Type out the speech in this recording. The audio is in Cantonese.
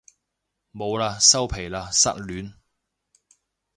冇喇收皮喇失戀